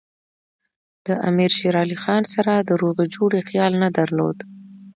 د امیر شېر علي خان سره د روغې جوړې خیال نه درلود.